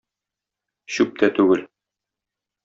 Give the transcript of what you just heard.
Чүп тә түгел.